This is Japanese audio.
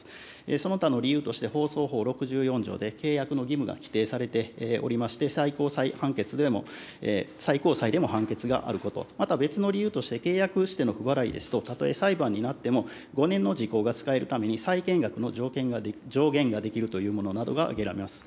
その他の理由として、放送法６４条で契約の義務が規定されておりまして、最高裁判決でも、最高裁でも判決があること、また別の理由として、契約しての不払いですと、たとえ裁判になっても、５年の時効が使えるために、債権額の上限ができるというものなどが挙げられます。